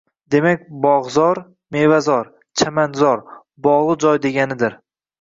Demak, Bog‘zor - mevazor, chamanzor, bog‘li joy deganidir.